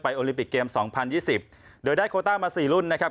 ไปโอลิปิกเกม๒๐๒๐เดี๋ยวได้โคต้ามา๔รุ่นนะครับ